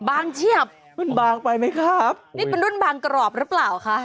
โอ้โหบางเชียบมันบางไปไหมครับนี่เป็นรุ่นบางกรอบหรือเปล่าค่ะ